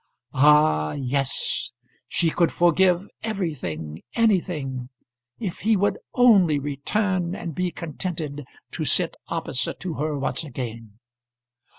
Ah! yes; she could forgive everything, anything, if he would only return and be contented to sit opposite to her once again.